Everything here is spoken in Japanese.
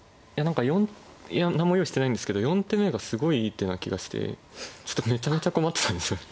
いや何も用意してないんですけど４手目がすごいいい手な気がしてちょっとめちゃめちゃ困ってたんですよね。